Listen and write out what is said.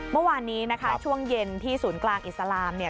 เมื่อวานนี้นะคะช่วงเย็นที่ศูนย์กลางอิสลามเนี่ย